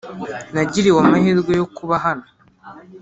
Nagiriwe amahirwe yokuba hano